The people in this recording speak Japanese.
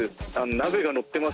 鍋が載ってます